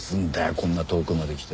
こんな遠くまで来て。